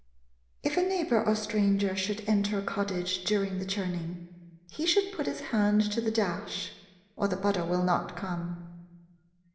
If a neighbor or stranger should enter a cottage during the churning, he should put his hand to the dash, or the butter will not come.